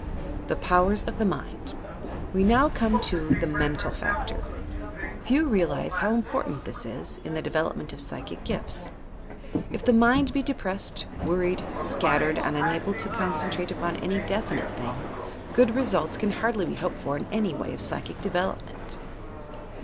THE POWERS OP THE MIND We now come to the mental factor. Few realize how important this is, in the development of psyehie gifts. If the mind be depressed, worried, scattered and unable to concentrate upon any definite thing, good results can hardly be hoped for in the way of psychic development!